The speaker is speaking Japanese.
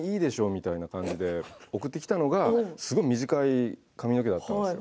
みたいな感じで送ってきたのがすごく短い髪の毛だったんです。